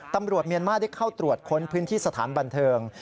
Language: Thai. เมียนมาร์ได้เข้าตรวจค้นพื้นที่สถานบันเทิง